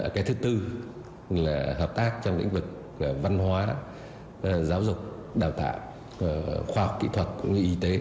cái thứ bốn là hợp tác trong lĩnh vực văn hóa giáo dục đào tạo khoa học kỹ thuật y tế